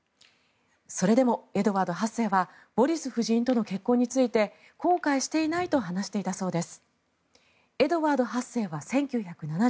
それでもエドワード８世はウォリス夫人との結婚について後悔していないと話していたそうです。